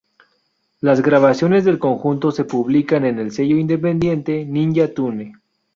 Las grabaciones del conjunto se publican en el sello independiente Ninja Tune.